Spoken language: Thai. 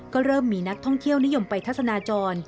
ก็เริ่มมีนักท่องเที่ยวนิยมไปทัศนาจร